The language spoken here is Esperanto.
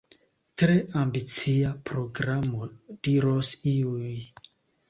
Tre ambicia programo, diros iuj.